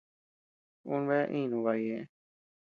Uu bea ínu baʼa ñëʼe.